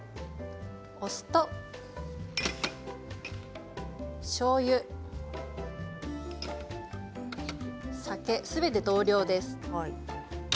お酢としょうゆ、酒すべて同量です。